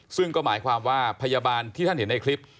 ซึ่งก็หมายความว่าพยาบาลที่ท่านเห็นในคลิป